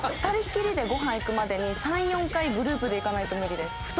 ２人きりでご飯行くまでに３４回グループで行かないと無理です。